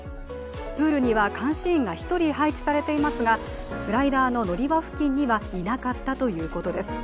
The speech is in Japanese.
プールには監視員が１人配置されていますがスライダーの乗り場付近にはいなかったということです。